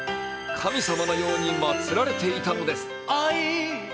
神様のようにまつられていたのです。